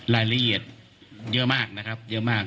รายละเอียดเยอะมากนะครับเยอะมาก